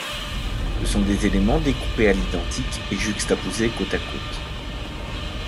Ce sont des éléments découpés à l'identique et juxtaposés côte à côte.